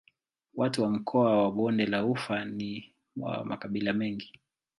Watu wa mkoa wa Bonde la Ufa ni wa makabila mengi.